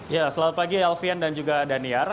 ya selamat pagi alfian dan juga daniar